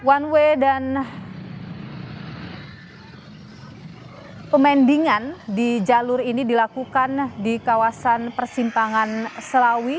one way dan pemendingan di jalur ini dilakukan di kawasan persimpangan selawi